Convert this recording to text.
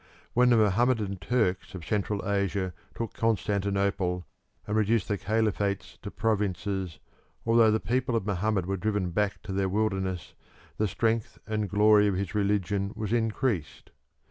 When the Mohammedan Turks of Central Asia took Constantinople and reduced the caliphates to provinces, although the people of Mohammed were driven back to their wilderness the strength and glory of his religion was increased.